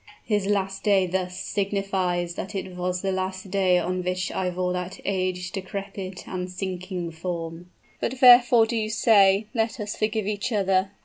'His last day thus' signifies that it was the last day on which I wore that aged, decrepit, and sinking form." "But wherefore do you say, 'Let us forgive each other?'"